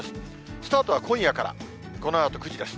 スタートは今夜から、このあと９時です。